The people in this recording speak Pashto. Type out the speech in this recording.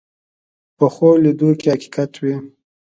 پخو لیدو کې حقیقت وي